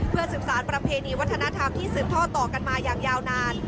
เพื่อสืบสารประเพณีวัฒนธรรมที่สืบท่อต่อกันมาอย่างยาวนาน